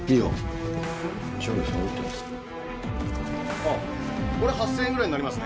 あぁこれ８，０００円ぐらいになりますね